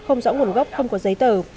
không rõ nguồn gốc không có giấy tờ